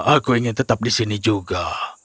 aku ingin tetap di sini juga